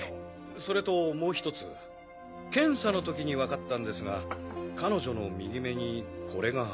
それともう１つ検査の時に分かったんですが彼女の右目にこれが。